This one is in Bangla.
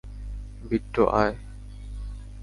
বিট্টো, আয়।